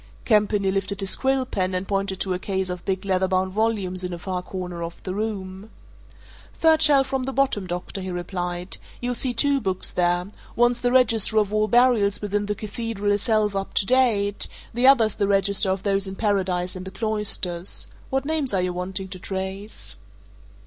Campany lifted his quill pen and pointed to a case of big leather bound volumes in a far corner of the room. "Third shelf from the bottom, doctor," he replied. "You'll see two books there one's the register of all burials within the Cathedral itself up to date: the other's the register of those in Paradise and the cloisters. What names are you wanting to trace?"